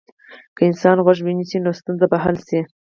که انسان غوږ ونیسي، نو ستونزه به حل شي.